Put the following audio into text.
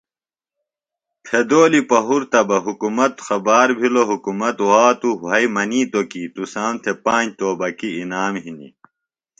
پھِدولی پہُرتہ بہ حکُومت خبار بھِلوۡ حکُومت وھاتوۡ وھئیۡ منِیتوۡ کیۡ تُسام تھےۡ پانج توبکیۡ انعام ہنیۡ